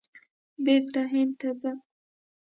بېرته هند ته ځم !